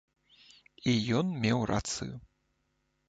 І ён меў рацыю.